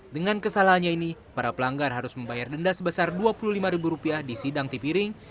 dengan kesalahannya ini para pelanggar harus membayar denda sebesar dua puluh lima ribu rupiah di sidang tipi ring